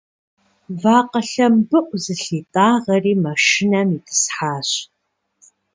Вакъэ лъэмбыӏу зылъитӏагъэри машинэм итӏысхьащ.